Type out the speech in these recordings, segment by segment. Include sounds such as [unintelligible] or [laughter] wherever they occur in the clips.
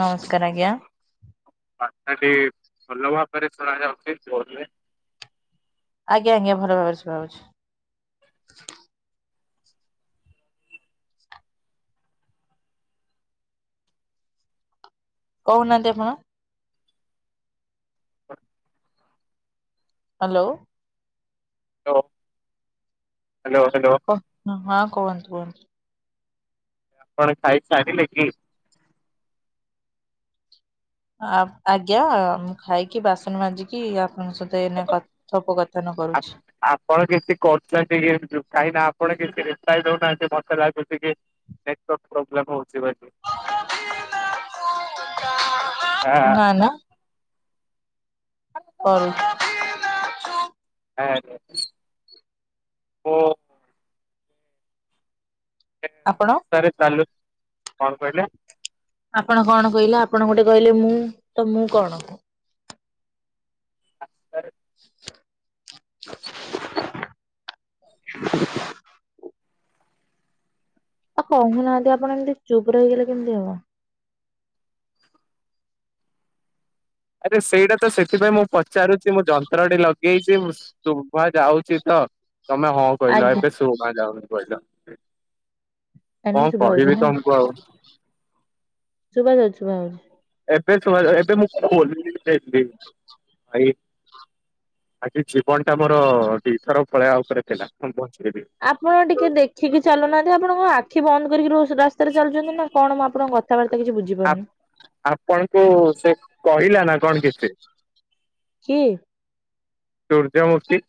ନମସ୍କାର ଆଜ୍ଞା। କଥାଟା ଭଲ ଭାବରେ ଶୁଣାଯାଉଛି, ବୋଦ ହୁଏ। ଆଜ୍ଞା ଆଜ୍ଞା ଭଲ ଭାବରେ ଶୁଣାଯାଉଛି। କହୁନାନ୍ତି ଆପଣ? Hello hello. [unintelligible] ହଁ କୁହନ୍ତୁ କୁହନ୍ତୁ। ଆପଣ ଖାାଇ ସାରିଲେ କିି? ଆ ଆଜ୍ଞା ମୁ ଖାଇକି ବାସନ ମାଜିକି ଆପଣଙ୍କ ସହିତ ଏଇନା କଥୋପକଥନ କରୁଛି ଆପଣ କିଛି କରୁଛନ୍ତି? ପୁଣି କିଛି ରିପ୍ଲାଏ ଦଉନାହାନ୍ତି ମତେ ଲାଗୁଛି ନେଟୱର୍କ ପ୍ରୋବେଲମ୍ ହଉଛି। ହଁ। ନା ନା [inaudible] ଆ ଓ। ଆପଣ ରାସ୍ତାରେ ଚାଲୁ କଣ କହିଲେ? ଆପଣ କଣ କହିଲେ ଆପଣ ଗୋଟେ କହିଲେ ମୁଁ ତ ମୁଁ କଣ? [unintelligible] [inaudible] ଆ କହୁନାହାନ୍ତି ଆପଣ ଏମତି ଚୁପ୍ ରହିଗଲେ କେମତି ହବ? ଆରେ ସେଇଟା ତ ସେଥିପାଇଁ ମୁଁ ପଚାରୁଚି ମୁଁ ଯନ୍ତ୍ରଟି ଲଗେଇଚି ମୁଁ ଶୁଭା ଯାଉଚି ତ? ତମେ ହଁ କହିଲ ଆଜ୍ଞା ଏବେ ଶୁଭା ଯାଉନି କହିଲ। ଆନି କଣ ଶୁଭା ହୋଉଚି କହିବି ତମକୁ ନାଁ। ଆଉ। ଶୁଭା ଯାଉଚି ଶୁଭା ଯାଉଚି। ଏବେ ଶୁଣା ଯା ଏବେ ମୁଁ ଖୋଲି ଦେଲି ଆ ଏ ଆଜି ଜୀବନଟା ମୋର ବି ଥର ଖଳେ ଆଉ ଥରେ ଥିଲା ହୁଁ ବଚ୍ ଆପଣ ଟିକେ ଦେଖିକି ଚାଲୁନାହାନ୍ତି ଆପଣ କଁ ଆଖି ବନ୍ଦ କରିକି ରହୁ ଥେ ରାସ୍ତାରେ ଚାଲୁଚନ୍ତି ନାଁ କଣ ମୁଁ ଆପଣଙ୍କ କଥାବାର୍ତ୍ତା କିଛି ଆ ବୁଝିପାରୁନି। ଆପଣଙ୍କୁ ସେ କହିଲା ନାଁ କଣ କିଛି? କି ସୂର୍ଯ୍ୟମୁଖୀ।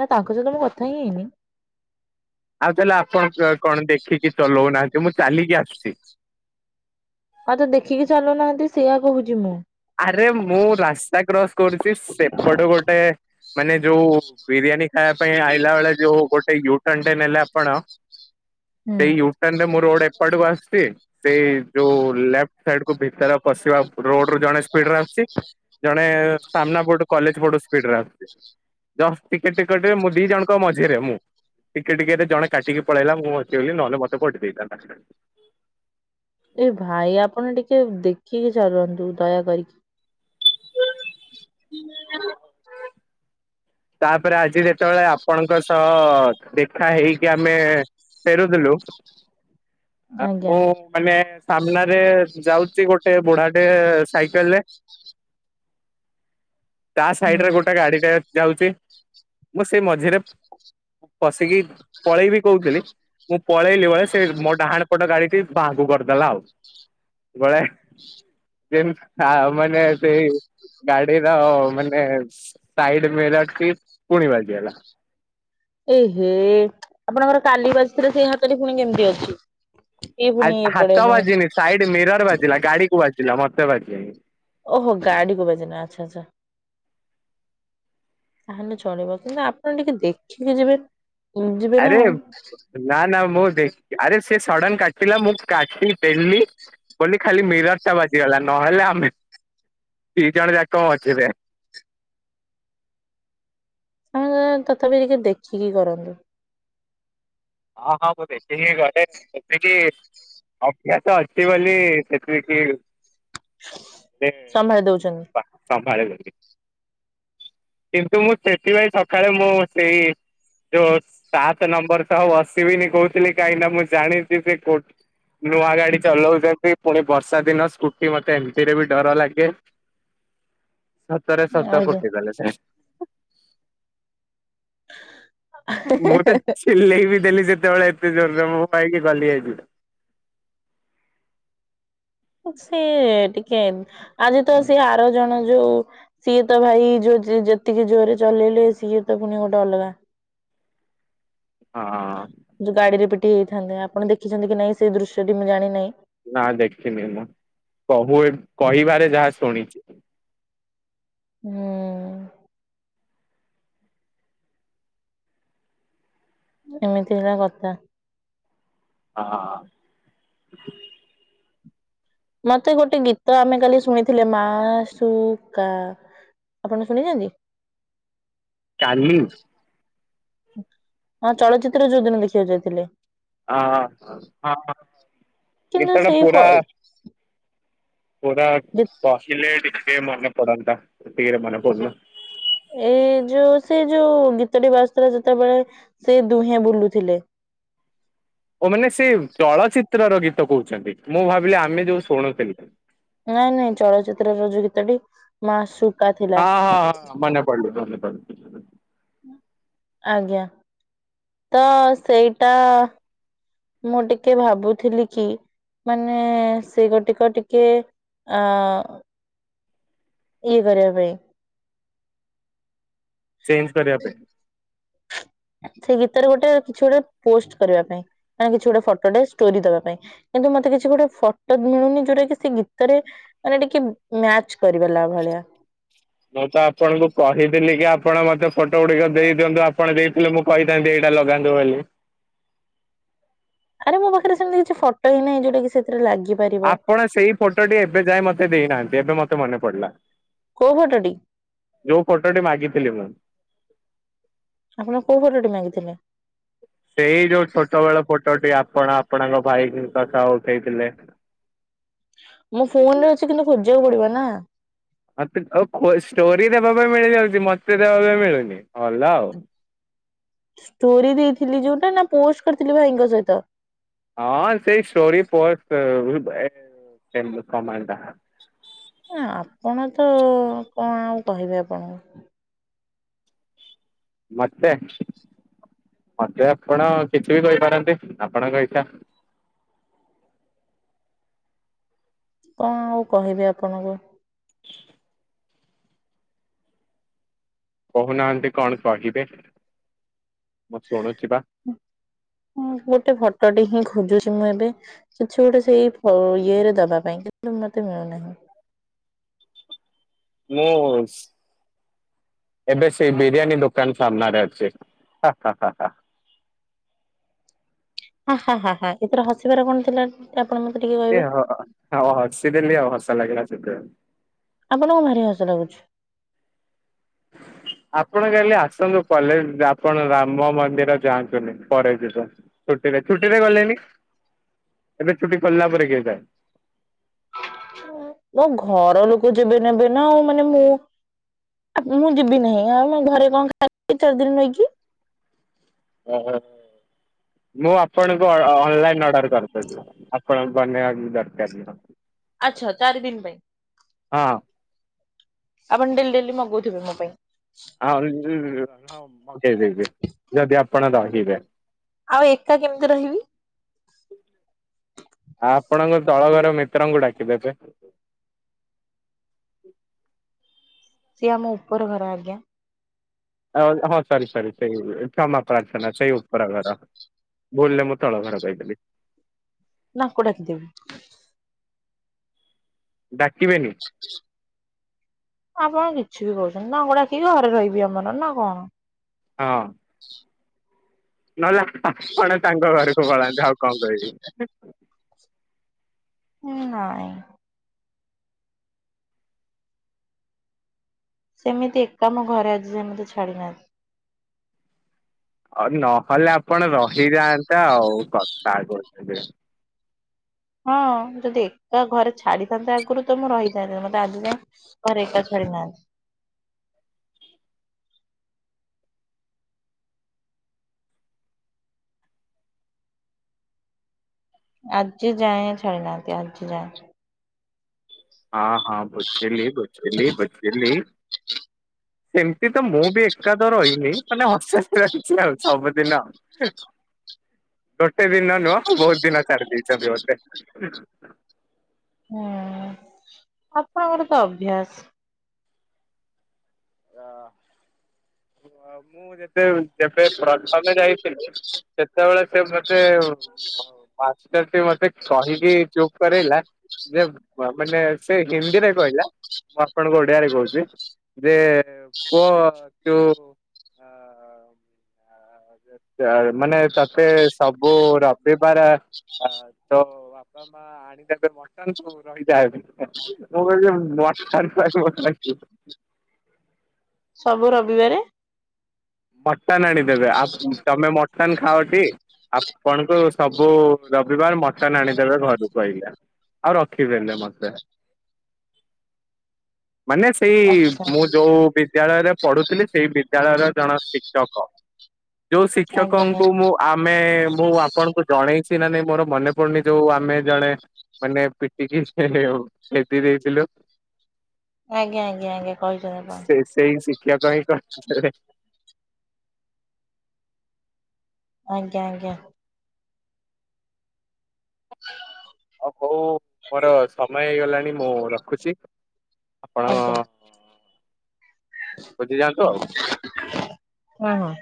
ନାଁ ତାଙ୍କ ସହିତ ମୁଁ କଥା ହିଁ ହେଇନି। ଆଉ ତାହେଲେ ଆପଣ ଅ କଣ ଦେଖିକି ଚଲଉନାହାନ୍ତି ମୁଁ ଚାଲିକି ଆସୁଚି। ଆଉ ତ ଦେଖିକି ଚାଲୁନାହାନ୍ତି ସେଇଆ କହୁଚି ମୁଁ। ଆରେ ମୁଁ ରାସ୍ତା କ୍ରସ୍ କରୁଚି ସେପଟ ଗୋଟେ ମାନେ ଯୋଉ ବିରିୟାନୀ ଖାଇଆ ପାଇଁ ଆଇଲା ଅଳେ ଯୋଉ ଗୋଟେ ୟୁ‌‌ ଟନ୍ ଟେ ନେଲେ ଆପଣ ହୁଁ ସେଇ ୟୁ ଟିନ୍ ରେ ମୁଁ ରୋଡ଼୍ ଏପଟକୁ ଆସୁଚି ସେଇ ଯୋଉ ଲେପ୍ଟ୍ ସାଇଡ଼୍ କୁ ଭିତର ପଶିବା ରୋଡ଼୍ ରୁ ଜଣେ ସ୍ପିଡ଼୍ ରେ ଆସୁଚି ଜଣେ ସାମ୍ନା ପଟୁ କଲେଜ୍ ପଟୁ ସ୍ପିଡ଼୍ ରେ ଆସୁଚି। ଜଷ୍ ଟିକେ ଟିକଟରେ ମୁଁ ଦି ଜଣଙ୍କ ମଝିରେ ମୁଁ। ଟିକେ ଟିକେରେ ଜଣେ କାଟିକି ପଳେଇଲା ମୁଁ ବଚିଗଲିି ନହେଲେ ମତେ ପଟିଦେଇଥାନ୍ତା। ଏ ଭାଇ ଆପଣ ଟିକେ ଦେଖିକି ଚାଲନ୍ତୁ ଦୟା କରିକି। [inaudible] ତାପରେ ଆଜି ଯେତଳେ ଆପଣଙ୍କ ସହ ଦେଖା ହେଇକି ଆମେ ଫେରୁଥିଲୁ ଆ ଆଜ୍ଞା ମୁଁ ମାନେ ସାମ୍ନାରେ ଯାଉଚି ଗୋଟେ ବୁଢ଼ାଟେ ସାଇକେଲ୍ ରେ ତା ସାଇଡ଼୍ ରେ ହୁଁ। ଗୋଟେ ଗାଡ଼ିଟେ ଯାଉଚି ମୁଁ ସେଇ ମଝିରେ ପସିକି ପଳେଇବି କୋହୁଥିଲି ମୁଁ ପଳେଇଲି ବହେ ସେ ମୋ ଡାହାଣ ପଟ ଗାଡ଼ିଟି ବାଁକୁ କରିଦେଲା ଆଉ ଗଳେ ଦେରୁ ଖା ମାନେ ବେ ଗାଡ଼ିର ମାନେ ସାଇ ଟେ ମିରର୍ ଟି ପୁଣି ବାଜିଗଲା। ଏହେ ଆପଣଙ୍କର କାଲି ବାଜିଥିଲା ସେଇ ହାତଟି ପୁଣି କେମତି ଅଛି? ଇଏ ପୁଣି ଆଏ ଏପଟେ ହାତ ପୁଣି ବାଜିନି ସାଇଡ଼୍ ମିରର୍ ବାଜିଲା ଗାଡ଼ି କୁ ବାଜିଲା ମତେ ବାଜିନି। ଓହୋ ଗାଡ଼ିକୁ ବାଜିଲା ଆଚ୍ଛା ଆଚ୍ଛା। ତାହେଲେ ଚଳିବ କନ୍ତୁ ଆପଣ ଟିକେ ଦେଖିକି ଯିବେ ଯିବେ ନା ଆରେ ଆଉ ନାଁ ନାଁ ମୁଁ ଦେ ଆରେ ସେ ସଡ଼ନ୍ କାଟିଲା ମୁଁ କାଟି ଦେଲି ବୋଲି ଖାଲି ମିରର୍ ଟା ବାଜିଗଲା ନହେଲେ ଆମେ ଦି ଜଣ ଯାକ ମଝିରେ। ଅଁ ତଥାପି ଟିକେ ଦେଖିକି କରନ୍ତୁ। ହଁ ହଁ ମୁଁ ଦେଖିକି କରେ ଦେଖିକି ଅଭ୍ୟାସ ଅଛିି ବୋଲି ସେତିକି ହ। ସେ ପା ପାବାରେ ଗ କିନ୍ତୁ ମୁଁ ସେଥିପାଇଁ ସଖାଳେ ମୁଁ ସେଇ ଯୋଉ ସାତେ ନମ୍ବର୍ ସହ ବସିବିନି କୋହୁଥିଲି କାହିଁ ନାଁ ମୁଁ ଜାଣିଯିବି କୋ ନୂଆ ଗାଡ଼ି ଚଲଉଚନ୍ତି ପୁଣି ବର୍ଷା ଦିନ ସ୍କୁଟି ମତେ ଏମତିରେ ବି ଡର ଲାଗେ। ସତରେ ସତ କହୁଚି ତାହେଲେ ସେ। ମୁଁ ତ ଆଜ୍ଞା। ଚିଲେଇ ବି ଦେଲି ସେତବେଳେ। ଏତେ ଜୋରରେ ମୁଁ କାଇଁକି ଗଲି ଆଜି? ସିଏ ଟିକେ ଆଜି ତ ସିଏ ଆର ଜଣ ଯୋଉ ସିଏ ତ ଭାଇ ଯୋଉ। ଯିଏ ଯେତିକି ଜୋରେ ଚଲେଇଲେ ସିଏ ତ ପୁଣି ଗୋଟେ ଅଲଗା। ଯୋଉ ହଁ। ଗାଡିରେ ପିଟି ହେଇଥାନ୍ତେ। ଆପଣ ଦେଖିଛନ୍ତି କି ନାଇଁ ସେ ଦୃଶ୍ୟଟି ମୁଁ ଜାଣିିନାହିଁ। ନା କହୁ କହିବାରେ ଯାହା ଶୁଣିଚି। ହୁଁ। ଏମିତି ହେଲା କଥା। ଅ ହ। ମତେ ଗୋଟେ ଗୀତ ଆମେ କାଲି ଶୁଣିଥିଲେ ମାସୁକା। ଆପଣ ଶୁଣିଚନ୍ତି? କାଲି? ହଁ। ଚଳଚ୍ଚିତ୍ର ଯୋଉଦିନ ଦେଖିବାକୁ ଯାଇଥିଲେ। ଆ ହା ହଁ ହ କିନ୍ତୁ ଗୀତ ଟା ସେଇ ଫ ପୁରା ପୁରା ଗୀ ବସିଲେ ଟିକେ ମନେ ପଡନ୍ତା ଏତିକିରେ ମନେ ପଡୁନି। ଏ ଯୋଉ ସେ ଯୋଉ ଗୀତଟେ ବାଜୁଥିଲା ଯେତେବେଳେ ସେ ଦୁହେଁ ବୁଲୁଥିଲେ। ଓ ମାନେ ସେ ଚଳଚ୍ଚିତ୍ରର ଗୀତ କହୁଛନ୍ତି। ମୁଁ ଭାବିଲି ଆମେ ଯୋଉ ଶୁଣୁଥେଲୁ। ନା ନାଇଁ ଚଳଚିତ୍ର ର ଯୋଉ ଗୀତଟି ମାସୁକ୍। ହଁ ହଁ ହଁ ମନେ ପଡିଲୁ ମନେ ପଡିଲୁ। ଆଜ୍ଞା ତ ସେଇଟା। ମୁଁ ଟିକେ ଭାବୁଥିଲି କି? ମାନେ ସେଗୋଟିକ ଟିକେ ଅଁ। ଇଏ କରିବା ପାଇଁ। ଚେଞ୍ଜ କରିବା ପାଇଁ? ସେଇ ଗୀତରେ ଗୋଟେ କିଛି ଗୋଟେ ପୋଷ୍ଟ କରିବା ପାଇଁ। ମାନେ କିଛି ଗୋଟେ ଫଟୋଟେ ଷ୍ଟୋରି ଦେବା ପାଇଁ। କିନ୍ତୁ ମ ମତେ କିଛି ଗୋଟେ ଫଟୋ ବି ମିଳୁନି। ଯୋଉଟା କି ସେ ଗୀତରେ ମାନେ ଟିକେ ମ୍ୟାଚ କରିପାରିଲା ଭଳିଆ। ମୁଁ ତ ଆପଣଙ୍କୁ କହିଥିଲି କି ଆପଣ ମତେ ଫଟୋ ଗୁଡିକ ଦେଇଦିଅନ୍ତୁ ଆପଣ ଦେଇଥିଲେ ମୁଁ କହିଥାନ୍ତି ଏଇଟା ଲଗାନ୍ତୁ ବୋଲି। ଆରେ ମୋ ପାଖରେ ସେମତି କିଛି ଫଟୋ ହିଁ ନାହିଁ ଯୋଉଟା କି ସେଥିରେ ଲାଗି ଆପଣ ସେଇ ଫଟୋଟି ଏବେ ଯାଏଁ ମତେ ଦେଇନାହାନ୍ତି ଏବେ ମତେ ମନେ ପଡିଲା। କୋଉ ଫଟୋଟି ଯୋଉ ଫଟୋଟି ମାଗିଥିଲି ମୁଁ। ଆପଣ କୋଉ ଫଟୋ ଟି ମାଗିଥିଲେ? ସେଇ ଯୋଉ ଛୋଟ ବେଳ ଫୋଟ୍ ଟ ଟି ଆପଣ ଆପଣଙ୍କ ଭାଇ [unintelligible] ସହ ଉଠେଇଥିଲେ। ମୋ ଫୋନରେ ଅଛି କିନ୍ତୁ ଖୋଜିବାକୁ [unintelligible] ମତେ ଓ ହୋ ଷ୍ଟୋରି ଦେବା ପାଇଁ ମିଳି ଯାଉଚି। ମତେ ଦେବା ପାଇଁ ମିଳୁନି ଭଲ ଆଉ। ଷ୍ଟୋରି ଦେଇଥିଲି ଯୋଉଟା ନା ପୋଷ୍ଟ କରିଥିଲି ଭାଇଙ୍କ ସହିତ? ହଁ ସେଇ ଷ୍ଟୋରି ପୋଷ୍ଟ। ଆପଣ ତ କଣ ଆଉ କହିବି ଆପଣଙ୍କୁ। ମତେ? ମତେ ଆପଣ କିଛି ବି କହିପାରନ୍ତି ଆପଣଙ୍କ ଇଚ୍ଛା। କଁ ଆଉ କହିବି ଆପଣଙ୍କୁ? କହୁନାହାନ୍ତି କଣ କହିବେ। ମୁଁ ଶୁଣୁଛି ବା ମୁଁ ଗୋଟେ ଫଟୋଟେ ହିଁ ଖୋଜୁଛି। ମୁଁ ଏବେ କିଛି ଗୋଟେ ସେଇ ଫ ଇଏରେ ଦବା ପାଇଁ କିନ୍ତୁ ମତେ ମିଳୁନାହିଁ। ମୁଁ। ଏବେ ସେଇ ବିରିୟାନୀ ଦୋକାନ ସାମ୍ନାରେ ଅଛି ହା ହା ହା ହା। ହା ହା ହା ହା ଏଥିର ହସିବାର କଣ ଥିଲା? ଆପଣ ମତେ ଟିକେ କହିବେ ଟିକେ ହସିଦେଲି ଆଉ ହସ ଲାଗିଲା ସେଥିପାଇଁ। ଆପଣଙ୍କୁ ଭାରି ହସ ଲାଗୁଛି। ଆପଣ କାଲି ଆସନ୍ତୁ କଲେଜ ଆପଣ ରାମ ମନ୍ଦିର ଯାଆନ୍ତୁନି ପରେ ଯିବ। ଛୁଟିରେ ଛୁଟିରେ ଗଲେନି ଏବେ ଛୁଟି ସାରିଲା ପରେ କିଏ ଯାଏ? ମୋ ଘର ଲୋକ ଯେବେ ନେବେ ନା ଆଉ ମାନେ ମୁଁ। ମୁଁ ଯିବି ନାହିଁ। ଆଉ ମୁଁ ଘରେ କଣ ଖାଇବି ଚାରି ଦିନ ରହିକି? ଓହୋ। ମୁଁ ଆପଣଙ୍କୁ ଅନଲାଇନ ଅର୍ଡର କରିଦେବି। ଆପଣ ବନେଇବା କିଛି ଦରକାର ନୁହଁ। ଆଚ୍ଛା ଚାରି ଦିନି ପାଇଁ? ହଁ। ଆପଣ ଡେଲି ଡେଲି ମଗଉଥିବେ ମୋ ପାଇଁ। ଆଁ ହଁ ମଗେଇଦେବି ଯଦି ଆପଣ ରହିବେ। ଆଉ ଏକା କେମିତି ରହିବି? ଆ ଆପଣଙ୍କ ତଳ ଘର ମିତ୍ରଙ୍କୁ ଡାକିଦେବେ। [inaudible] ସିଏ ଆମ ଉପର ଘର ଆଜ୍ଞା। ଆଉ ହଁ ହଁ ସରି ସରି ସେଇ କ୍ଷମା ପ୍ରାର୍ଥନା ସେଇ ଉପର ଘର। ଭୁଲରେ ମୁଁ ତଳ ଘର କହିଦେଲି। ନା ଆଙ୍କୁ ଡାକିଦେବି? ଡାକିବେନି? ଆପଣ କିଛି ବି କହୁଛନ୍ତି। ନା ଗୋଡା କି ଘରେ ରହିବି ଆମର ନା କଣ? ହଁ। ନହଲେ ଆପଣ ତାଙ୍କ ଘରକୁ ପଳାନ୍ତୁ। ଆଉ କଣ କହିବି? ହୁଁ ନାଇଁ। ସେମିତି ଏକା ଆମ ଘରେ ଆଜି ଯାଏ ମତେ ଛାଡି ନାହାନ୍ତି। ଆ ନହେଲେ ଆପଣ ରହିଯାଆନ୍ତା ଆଉ କଥା କହୁଛନ୍ତି। ହଁ ଯଦି ଏକା ଘରେ ଛାଡିଥାନ୍ତେ ଆଗରୁ ତ ମୁଁ ରହିଥାନ୍ତି। ମତେ ଆଜି ଯାଏ ଘରେ ଏକା ଛାଡି ନାହାନ୍ତି। ଆଜି ଯାଏଁ ଛାଡ଼ିନାହାନ୍ତି ଆଜି ଯାଏଁ। ହଁ ହଁ ବୁଝିଲି ବୁଝିଲି ବୁଝିଲି। [inaudible] ସେମିତି ତ ମୁଁ ବି ଏକା ତ ରହିନି। ମାନେ [unintelligible] ଆଉ ସବୁଦିନ। [inaudible] ଗୋଟେ ଦିନ ନୁହଁ ବହୁତ ଦିନ ଛାଡ଼ି ଦେଇଛନ୍ତି ମୋତେ। ହୁଁ। ଆପଣଙ୍କର ତ ଅଭ୍ୟାସ। ଅ ମୁଁ ଯେତେ ଯେବେ ପ୍ରଥମ ଯାଇଥିଲି ସେତେବେଳେ ସେ ମେତେ ମାଷ୍ଟର ତି ମତେ କହିକି ଚୁପ କରେଇଲା। ଯେ ମାନେ ସେ ହିନ୍ଦୀରେ କହିଲା ମୁଁ ଆପଣଙ୍କୁ ଓଡିଆରେ କହୁଛି ଯେ ପୁଅ ତୁ ଅ ମାନେ ତତେ ସବୁ ରବିବାର ତ ବାପା ମା ଆଣିଦେବେ ମଟନ୍ ତୁ ରହିଯା ଏବେ। ମୁଁ କହିଲି ମଟନ୍ ପାଇଁ ମୁଁ। [unintelligible] [inaudible] [inaudible] ସବୁ ରବିବାରେ। ମଟନ ଆଣିଦେବେ ଆ ତମେ ମଟନ ଖାଅଟି ଆପଣଙ୍କୁ ସବୁ ରବିବାର ମଟନ୍ ଆଣିଦେବେ ଘରକୁ ଏଇଆ ଆଉ ରଖିବେନି ମତେ। [inaudible] ମାନେ ସେଇ ଆଚ୍ଛା ମୁଁ ଯୋଉ ବିଦ୍ୟାଳୟରେ ପଢୁଥିଲି ସେଇ ବିଦ୍ୟାଳୟର ଜଣ ଶିକ୍ଷକ, ଯୋଉ ଆଜ୍ଞା ଆଜ୍ଞା ଶିକ୍ଷକଙ୍କୁ ମୁଁ ଆମେ ମୁଁ ଆପଣଙ୍କୁ ଜଣେଇଛି ନା ନାଇଁ ମୋର ମନେ ପଡୁନି ଯୋଉ ଆମେ ଜଣେ ମାନେ ପିଟିକି [unintelligible] ଦେଇଥିଲୁ। ଆଜ୍ଞା ଆଜ୍ଞା ଆଜ୍ଞା, କହିଛନ୍ତି ଆପଣ। [unintelligible] କହି [unintelligible] ଆଜ୍ଞା ଆଜ୍ଞା। ଆଉ ହଉ ମୋର ସମୟ ହେଇଗଲାଣି ମୁଁ ରଖୁଛି। ଆପଣ ଆଜ୍ଞା ବୁଝିଯାଆନ୍ତୁ ଆଉ। ହଁ ହଁ।